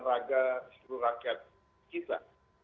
raga seluruh rakyat kita